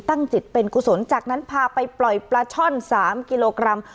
จิตเป็นกุศลจากนั้นพาไปปล่อยปลาช่อน๓กิโลกรัม